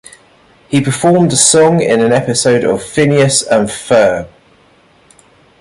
He performed a song in an episode of "Phineas and Ferb".